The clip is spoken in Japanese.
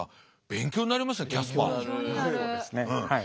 そうですねはい。